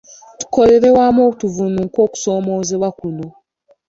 Tukolere wamu tuvvuunuke okusoomoozebwa kuno.